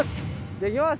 じゃあいきます！